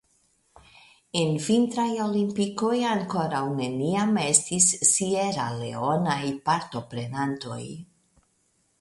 En vintraj olimpikoj ankoraŭ neniam estis Sieraleonaj partoprenantoj.